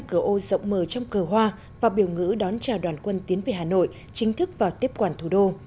năm cửa ô rộng mờ trong cờ hoa và biểu ngữ đón trào đoàn quân tiến về hà nội chính thức vào tiếp quản thủ đô